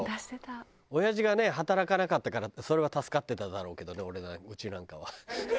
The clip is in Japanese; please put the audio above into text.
おやじがね働かなかったからそれは助かってただろうけどね俺のうちなんかは。